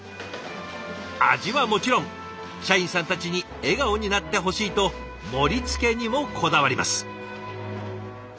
味はもちろん社員さんたちに笑顔になってほしいと盛りつけにもこだわります。